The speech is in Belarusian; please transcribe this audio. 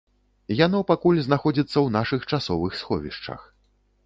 Яно пакуль знаходзіцца ў нашых часовых сховішчах.